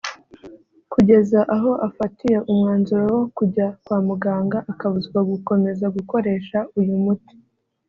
kugeza aho afatiye umwanzuro wo kujya kwa muganga akabuzwa gukomeza gukoresha uyu muti